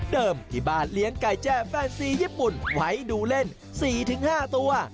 ที่บ้านเลี้ยงไก่แจ้แฟนซีญี่ปุ่นไว้ดูเล่น๔๕ตัว